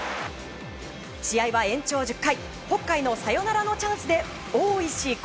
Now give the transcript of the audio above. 試合は延長１０回北海のサヨナラのチャンスで大石広